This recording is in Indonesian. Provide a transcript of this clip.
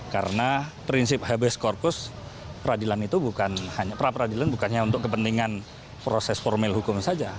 karena prinsip hbs korkus pra peradilan itu bukan hanya untuk kepentingan proses formal hukum saja